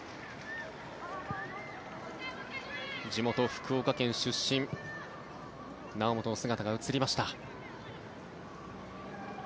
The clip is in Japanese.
地元・福岡県出身猶本の姿が映りました。